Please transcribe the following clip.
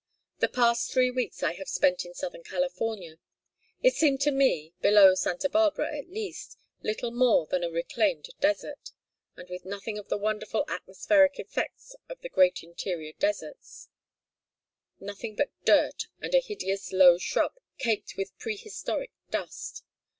The last three weeks I have spent in southern California. It seemed to me below Santa Barbara, at least little more than a reclaimed desert and with nothing of the wonderful atmospheric effects of the great interior deserts; nothing but dirt and a hideous low shrub caked with prehistoric dust.